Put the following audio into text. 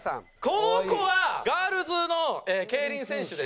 この子はガールズの競輪選手でして。